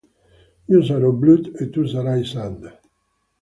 Io sarò Blood e tu sarai Sand.